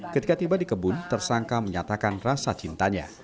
ketika tiba di kebun tersangka menyatakan rasa cintanya